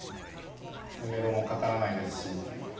詰めろもかからないですし。